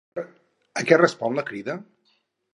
A què respon la Crida?